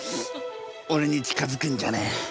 俺に近づくんじゃねえ。